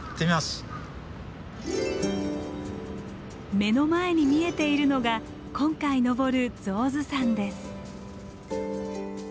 目の前に見えているのが今回登る象頭山です。